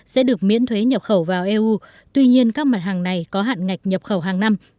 sẽ được miễn thuế nhập khẩu vào eu tuy nhiên các mặt hàng này có hạn ngạch nhập khẩu hàng năm